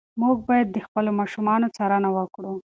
موږ باید د خپلو ماشومانو څارنه وکړو.